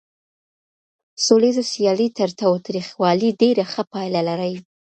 سوليزه سيالي تر تاوتريخوالي ډېره ښه پايله لري.